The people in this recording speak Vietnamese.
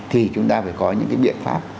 thì chúng ta phải có những cái biện pháp